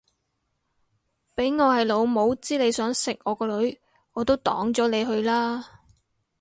俾我係老母知你想食我個女我都擋咗你去啦